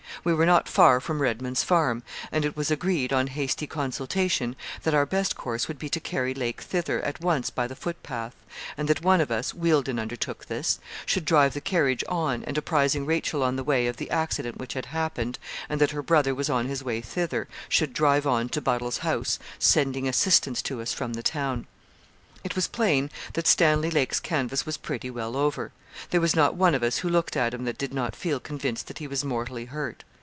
We were not far from Redman's Farm, and it was agreed, on hasty consultation, that our best course would be to carry Lake thither at once by the footpath, and that one of us Wealdon undertook this should drive the carriage on, and apprising Rachel on the way of the accident which had happened, and that her brother was on his way thither, should drive on to Buddle's house, sending assistance to us from the town. It was plain that Stanley Lake's canvass was pretty well over. There was not one of us who looked at him that did not feel convinced that he was mortally hurt.